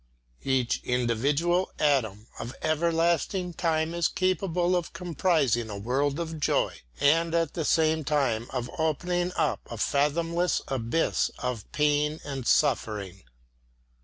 Each individual atom of everlasting time is capable of comprising a world of joy, and at the same time of opening up a fathomless abyss of pain and suffering.